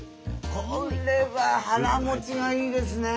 これは腹もちがいいですね。